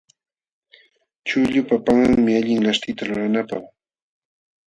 Chuqllupa panqanmi allin laśhtita lulanapaq.